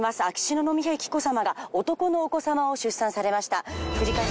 秋篠宮妃紀子さまが男のお子さまを出産されました。